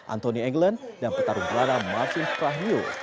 anthony england dan petarung belanda martin prahliu